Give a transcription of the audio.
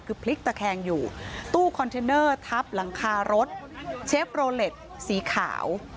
คือพลิกตะแคงอยู่ตู้คอนเทนเนอร์ทับหลังคารถเชฟโรเล็ตสีขาว